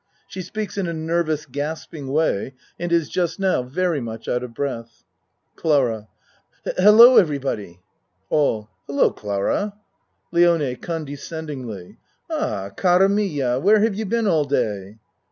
She speaks in a nervous gasping way and is just now very much out of breath.) CLARA Hello, everybody. ALL "Hello Clara." LIONE (Condescendingly.) Ah, cara mia, where have you been all day?